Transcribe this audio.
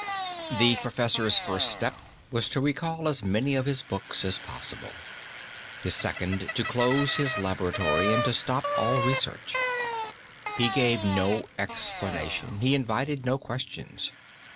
The professor's first step was to recall as many of his books as possible; his second to close his laboratory and stop all research. He gave no explanation, he invited no questions.